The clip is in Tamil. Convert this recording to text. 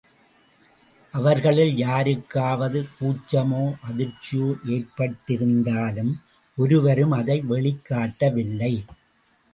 அவர்களில் யாருக்காவது கூச்சமோ அதிர்ச்சியோ ஏற்பட்டிருந்தாலும் ஒருவரும் அதை வெளிக்காட்டவில்லை.